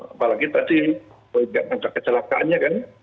apalagi tadi kecelakaannya kan